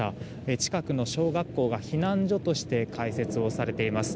近くの小学校が避難所として開設されています。